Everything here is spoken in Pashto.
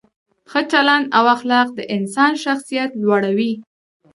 ښه چلند او اخلاق د انسان شخصیت لوړوي.